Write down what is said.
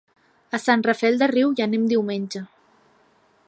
A Sant Rafel del Riu hi anem diumenge.